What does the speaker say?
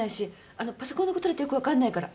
パソコンのことだってよく分かんないから。